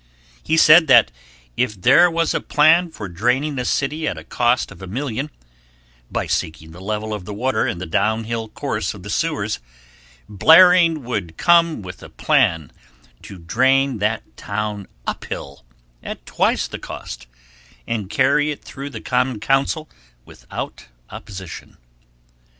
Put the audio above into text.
He said that if there was a plan for draining a city at a cost of a million, by seeking the level of the water in the down hill course of the sewers, blaring would come with a plan to drain that town up hill at twice the cost and carry it through the Common Council without opposition.